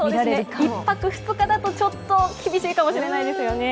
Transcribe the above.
１泊２日だとちょっと厳しいかもしれないですね。